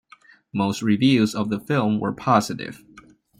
Most reviews of the film were positive.